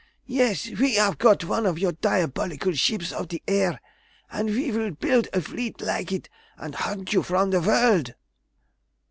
Yes, we have got one of your diabolical ships of the air, and we will build a fleet like it and hunt you from the world!"